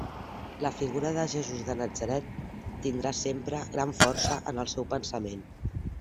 La figura de Jesús de Natzaret tindrà sempre gran força en el seu pensament.